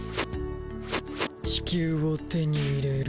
地球を手に入れる。